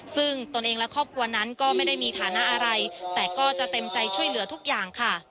ซึ่งตนเองและครอบครัวนั้นก็ไม่ได้มีฐานะอะไรแต่ก็จะเต็มใจช่วยเหลือทุกอย่างค่ะ